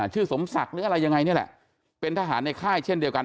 สมศักดิ์หรืออะไรยังไงนี่แหละเป็นทหารในค่ายเช่นเดียวกัน